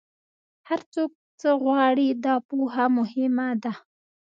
هر څوک څه غواړي، دا پوهه مهمه ده.